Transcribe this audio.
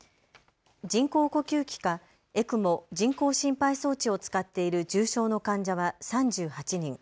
人工呼吸器かＥＣＭＯ・人工心肺装置を使っている重症の患者は３８人。